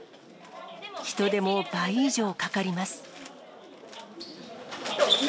人手も倍以上かかります。